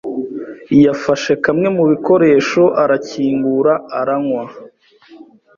yafashe kamwe mu bikoresho, arakingura, aranywa.